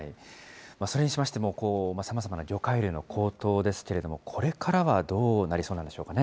それにしましても、さまざまな魚介類の高騰ですけれども、これからはどうなりそうなんでしょうかね。